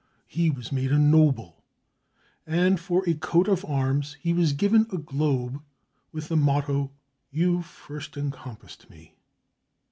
He was made a noble, and for a coat of arms he was given a globe with the motto, "You first encompassed me."